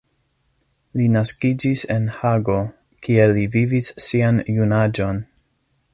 Li naskiĝis en Hago, kie li vivis sian junaĝon.